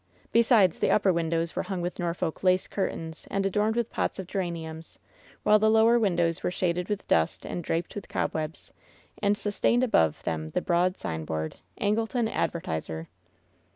Besides the upper windows were hung with Norfolk lace curtains and adorned with pots of geraniums, while the lower windows were shaded with dust and draped with cob webs, and sustained above them the broad signboard — Angleton Advertiser.